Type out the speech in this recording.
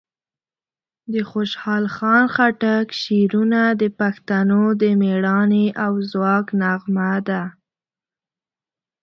د خوشحال خان خټک شعرونه د پښتنو د مېړانې او ځواک نغمه ده.